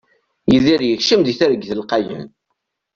Yidir yekcem di targit lqayen.